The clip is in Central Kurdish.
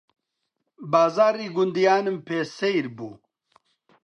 بازاڕی گوندیانم پێ سەیر بوو